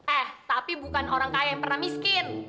eh tapi bukan orang kaya yang pernah miskin